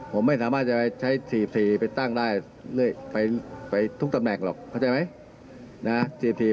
ผมไม่สามารถจะใช้๔๔ตั้งไปทุกตำแหน่งหรอกเสียดบลือไหม